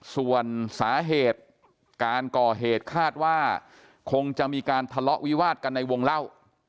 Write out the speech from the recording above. ส่วนสาเหตุการก่อเหตุคาดว่าคงจะมีการทะเลาะวิวาดกันในวงเล่า